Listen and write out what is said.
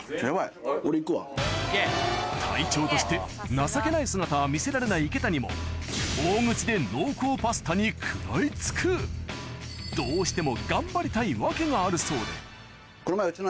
隊長として情けない姿は見せられない池谷も大口で濃厚パスタに食らい付くどうしても